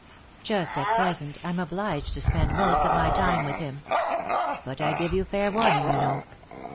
Just at present, I'm obliged to spend most of my time with him. But I gave you fair warning, you know."